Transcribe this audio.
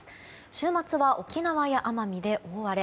週末は沖縄や奄美で大荒れ。